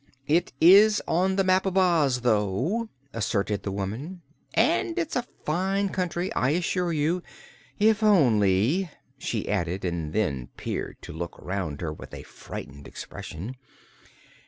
"It is on the Map of Oz, though," asserted the woman, "and it's a fine country, I assure you. If only," she added, and then paused to look around her with a frightened expression.